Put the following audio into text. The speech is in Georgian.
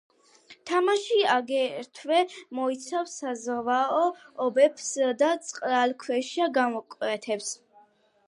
თამაში, აგრეთვე მოიცავს საზღვაო ომებს და წყალქვეშა გამოკვლევებს.